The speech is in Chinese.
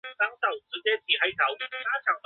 上图表示了算法中找最小值的一个步骤。